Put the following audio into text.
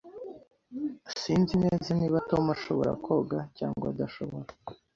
Sinzi neza niba Tom ashobora koga cyangwa adashobora.